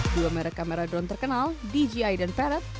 dua merek kamera drone terkenal dji dan peret